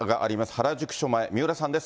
原宿署前、三浦さんです。